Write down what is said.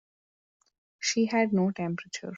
She had no temperature.